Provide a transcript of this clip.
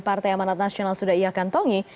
ketua dki emanet nasional sudah ia kantongi